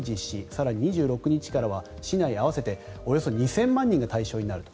更に、２６日からは市内合わせておよそ２０００万人が対象になると。